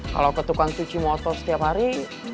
kalau ketukan cuci motor setiap hari